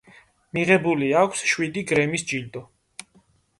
მიღებული აქვს შვიდი გრემის ჯილდო.